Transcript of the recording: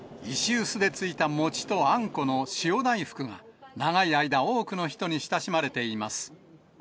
石臼でついた餅とあんこの塩大福が、長い間、多くの人に親しまれています。